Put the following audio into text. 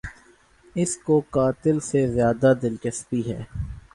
اس کو قاتل سے زیادہ دلچسپی ہے۔